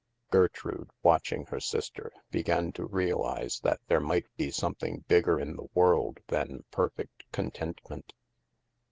Gertrude, watching her sister, began to realize that there might be something bigger in the world than perfect contentment.